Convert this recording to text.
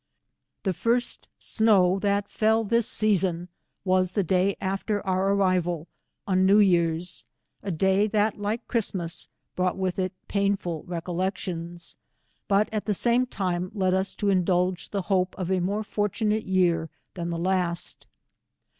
123 The first snow that fell this season, was the day after our arrival, on New Years ; a day that like Christmas, brought with it, paiuful recolleclioiis, but at the same time led us to indulge the hope of a more fortunate year than the last.